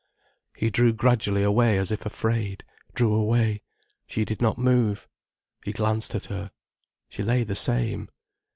He drew gradually away as if afraid, drew away—she did not move. He glanced at her—she lay the same.